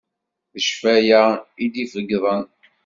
D cfaya i d-ifegḍen.